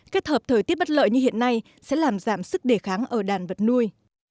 kết hợp thời tiết bất lợi như hiện nay sẽ làm giảm sức đề kháng ở đàn vật nuôi